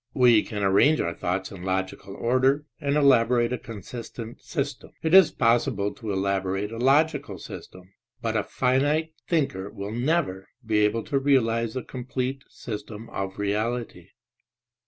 We can arrange our thoughts in logical order and elaborate a consistent sys tem. It is possible to elaborate a logical system, but a finite thinker will never be able to realize a complete system of reality.